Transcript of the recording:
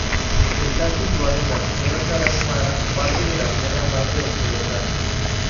Está situado en la Sierra Tarahumara, parte de la Sierra Madre Occidental.